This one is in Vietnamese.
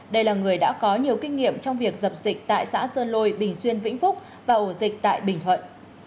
đây là người đã có nhiều kinh nghiệm trong việc dập dịch tại xã sơn lôi bình xuyên vĩnh phúc và ổ dịch tại bình thuận